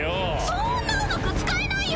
そんなうまく使えないよ